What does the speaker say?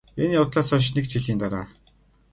энэ явдлаас хойш НЭГ жилийн дараа